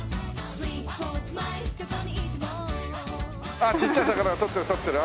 あっちっちゃい魚が取ってる取ってる。